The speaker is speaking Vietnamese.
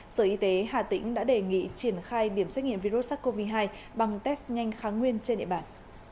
sở y tế hà tĩnh đã đề nghị triển khai điểm xét nghiệm virus sars cov hai bằng test nhanh kháng nguyên trên địa bàn